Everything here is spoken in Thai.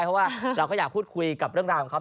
เพราะว่าเราก็อยากพูดคุยกับเรื่องราวของเขา